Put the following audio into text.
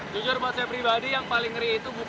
jujur buat saya pribadi yang paling ngeri itu